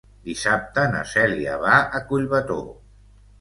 Dissabte na Cèlia va a Collbató.